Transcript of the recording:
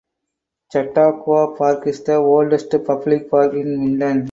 Chautauqua Park is the oldest public park in Minden.